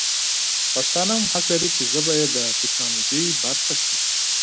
پښتانه هم حق لري چې ژبه یې د ټکنالوژي برخه شي.